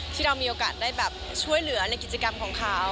ที่เรามีโอกาสได้แบบช่วยเหลือในกิจกรรมของเขา